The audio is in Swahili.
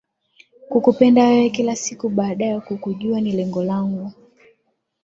Kukupenda wewe kila siku baada ya kukujua ni lengo langu.